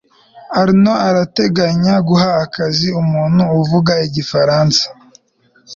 arnaud arateganya guha akazi umuntu uvuga igifaransa